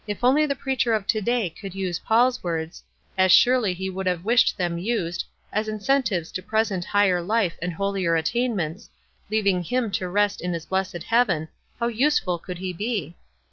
\ only the preacher of to day would use Paul's words, as surely he would have wished them used, as incentives to present higher life and holier attainments, leaving him to rest in his blessed heaven, how useful could he he